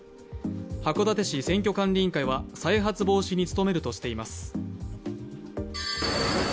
函館市選挙管理委員会は再発防止に努めるとしています。